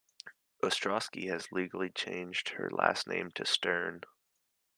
Ostrosky has legally changed her last name to Stern.